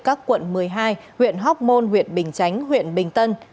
các quận một mươi hai huyện hóc môn huyện bình chánh huyện bình tân